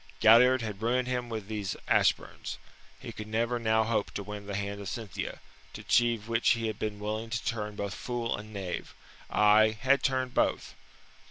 Galliard had ruined him with these Ashburns. He could never now hope to win the hand of Cynthia, to achieve which he had been willing to turn both fool and knave aye, had turned both.